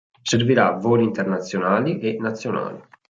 Servirà voli internazionali e nazionali.